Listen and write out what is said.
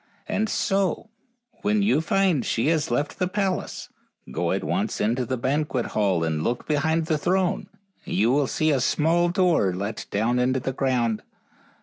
And so, when you find she has left the palace, go at once into the banquet hall and look behind the throne, and you will see a small door let down into the ground.